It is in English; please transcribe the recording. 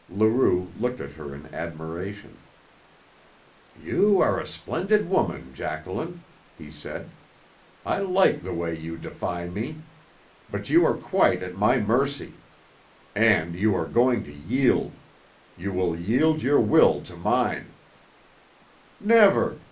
Leroux looked at her in admiration. "You are a splendid woman, Jacqueline," he said. "I like the way you defy me. But you are quite at my mercy. And you are going to yield! You will yield your will to mine " "Never!"